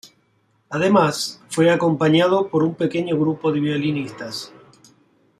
Además, fue acompañado por un pequeño grupo de violinistas.